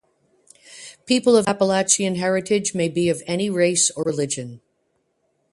People of Appalachian heritage may be of any race or religion.